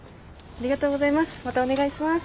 ありがとうございます。